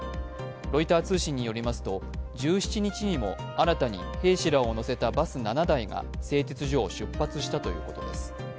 ロイター通信によりますと１７日にも新たに兵士らを乗せたバス７台が製鉄所を出発したということです。